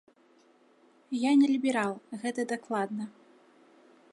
Я не ліберал, гэта дакладна.